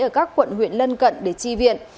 ở các quận huyện lân cận để chi viện